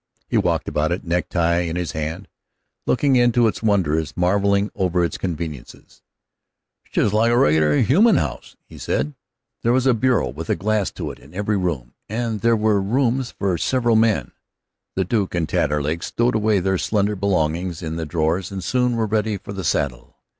He walked about in it, necktie in his hand, looking into its wonders, marveling over its conveniences. "It's just like a regular human house," said he. There was a bureau with a glass to it in every room, and there were rooms for several men. The Duke and Taterleg stowed away their slender belongings in the drawers and soon were ready for the saddle.